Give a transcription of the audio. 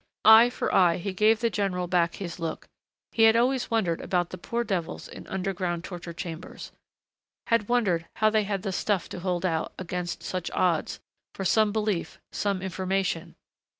Eye for eye he gave the general back his look. He had always wondered about the poor devils in underground torture chambers. Had wondered how they had the stuff to hold out, against such odds, for some belief, some information....